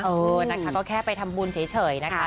เออนะคะก็แค่ไปทำบุญเฉยนะคะ